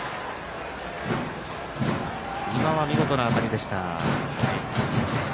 今のは見事な当たりでした。